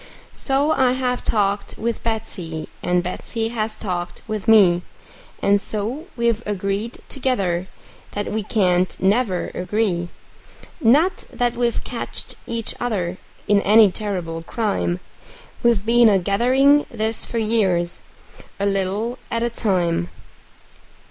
So I have talked with Betsey, and Betsey has talked with me, And so we've agreed together that we can't never agree; Not that we've catched each other in any terrible crime; We've been a gathering this for years, a little at a time.